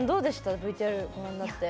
ＶＴＲご覧になって。